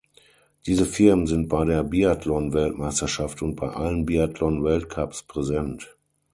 Diese Firmen sind bei der Biathlon-Weltmeisterschaft und bei allen Biathlon-Weltcups präsent.